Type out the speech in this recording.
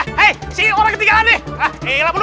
hei sini orangnya ketigalan nih